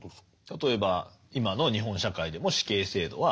例えば今の日本社会でも死刑制度は。ありますよね。